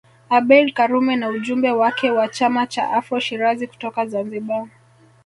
Abeid Karume na ujumbe wake wa chama cha Afro Shirazi kutoka Zanzibar